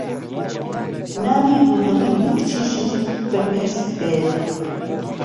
ناوی دوهەمین کچیشم فرمێسک بێت